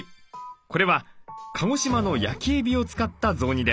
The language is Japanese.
これは鹿児島の焼きえびを使った雑煮です。